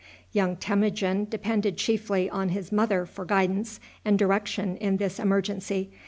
Young Temujin depended chiefly on his mother for guidance and direction in this emergency.